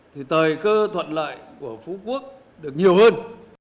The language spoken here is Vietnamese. thì thời cơ thuận lợi của phú quốc được nhiều hơn